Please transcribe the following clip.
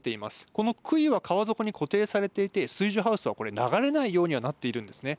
このくいは川底に固定されていて水上ハウスは流れないようにはなっているんですね。